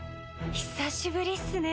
久しぶりっすね